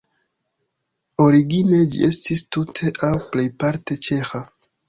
Origine ĝi estis tute aŭ plejparte ĉeĥa.